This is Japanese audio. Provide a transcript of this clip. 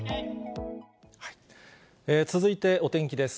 続いてお天気です。